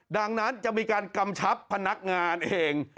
ดังนั้นจะมีการกำชับพนักงานเอง